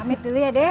amit dulu ya deh